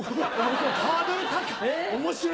ハードル高い！